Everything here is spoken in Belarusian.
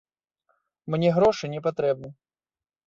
Мне грошы не патрэбны.